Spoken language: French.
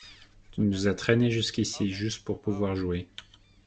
Tu nous as traînés jusqu’ici juste pour pouvoir jouer